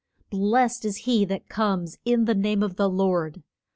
Blest is he that comes in the name of the Lord!